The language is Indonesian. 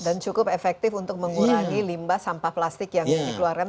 dan cukup efektif untuk mengurangi limbah sampah plastik yang dikeluarkan